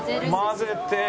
混ぜて。